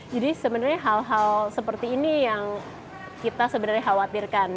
jadi sebenarnya hal hal seperti ini yang kita sebenarnya khawatirkan